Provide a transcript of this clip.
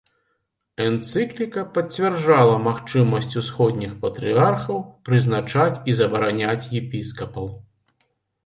Энцыкліка пацвярджала магчымасць усходніх патрыярхаў прызначаць і забараняць епіскапаў.